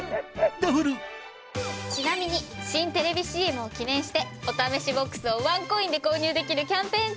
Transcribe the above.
ちなみに新テレビＣＭを記念してお試しボックスをワンコインで購入できるキャンペーン中。